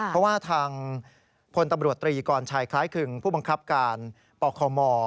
เพราะว่าทางพลตำรวจตรีกรชัยคล้ายคึงผู้บังคับการปคม